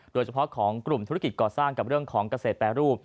โดยเฉพาะของกลุ่มธุรกิจก่อสร้างกับเรื่องของเกษตรแปรรูป